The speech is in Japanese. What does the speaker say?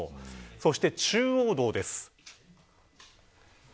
そして中央道です。